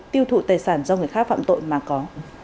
tiêu thụ tài sản do người khác phạm tội mà có